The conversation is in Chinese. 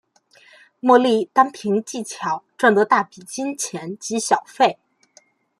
莫莉单凭技巧赚得大笔金钱及小费。